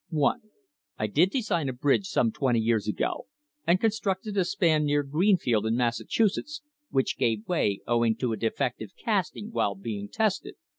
1. I did design a bridge some twenty years ago, and constructed a span near Green field, in Massachusetts, which gave way, owing to a defective casting, while being tested.